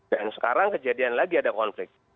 dan sekarang kejadian lagi ada konflik